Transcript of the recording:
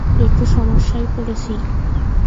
একটু সমস্যায় পরেছি।